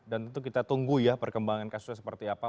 dan tentu kita tunggu ya perkembangan kasusnya seperti apa